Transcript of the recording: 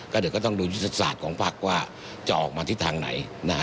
เดี๋ยวก็ต้องดูยุทธศาสตร์ของภักดิ์ว่าจะออกมาที่ทางไหน